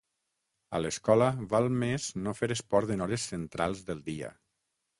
A l'escola val més no fer esport en hores centrals del dia.